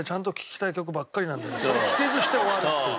聴けずして終わるっていう。